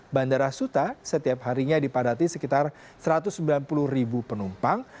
bandara suta setiap harinya dipadati sekitar satu ratus sembilan puluh ribu penumpang